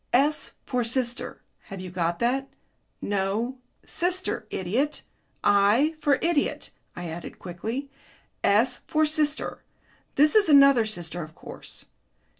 "S for sister; have you got that? ... No, sister, idiot. I for idiot," I added quickly. "S for sister this is another sister, of course.